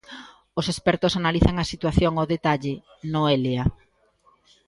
Os expertos analizan a situación ao detalle: Noelia.